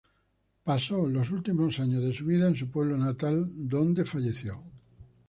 Pasó los últimos años de su vida en su pueblo natal, donde falleció.